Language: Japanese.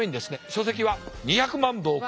書籍は２００万部を超え。